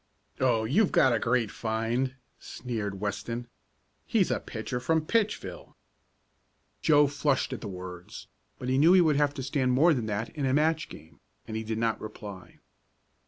"Oh, you've got a great find!" sneered Weston. "He's a pitcher from Pitchville!" Joe flushed at the words, but he knew he would have to stand more than that in a match game, and he did not reply.